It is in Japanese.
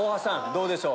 どうでしょう？